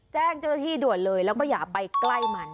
แจ้งเจ้าหน้าที่ด่วนเลยแล้วก็อย่าไปใกล้มัน